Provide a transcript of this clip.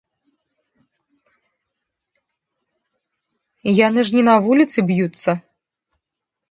Яны ж не на вуліцы б'юцца.